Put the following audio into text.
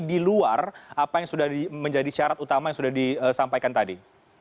di luar apa yang sudah menjadi syarat utama yang sudah disampaikan tadi